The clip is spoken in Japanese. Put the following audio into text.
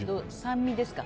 酸味ですか？